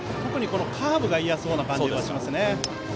カーブが嫌そうな感じがしますね。